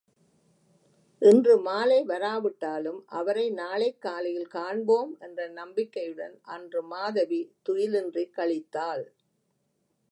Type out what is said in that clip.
இன்று மாலை வராவிட்டாலும் அவரை நாளைக் காலையில் காண்போம் என்று நம்பிக்கையுடன் அன்று மாதவி துயிலின்றிக் கழித்தாள்.